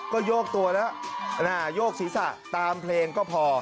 ก็โยกตัวแล้วโยกศีรษะตามเพลงก็พอ